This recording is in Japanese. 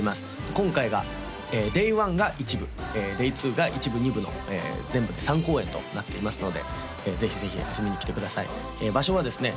今回がデイ１が１部デイ２が１部２部の全部で３公演となっていますのでぜひぜひ遊びに来てください場所はですね